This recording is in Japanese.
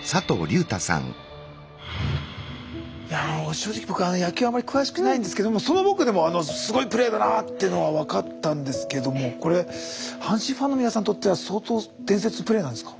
正直僕は野球あんまり詳しくないんですけどもその僕でもすごいプレーだなあっていうのは分かったんですけどもこれ阪神ファンの皆さんにとっては相当伝説のプレーなんですか？